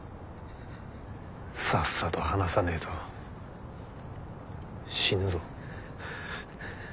さっさと話さねえと死ぬぞ？